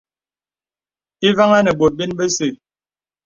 Avàŋhā nə bòt bə̀n bese.